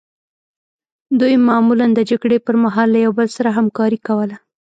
دوی معمولا د جګړې پرمهال له یو بل سره همکاري کوله.